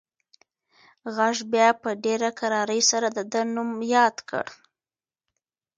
غږ بیا په ډېره کرارۍ سره د ده نوم یاد کړ.